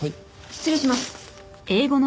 失礼します。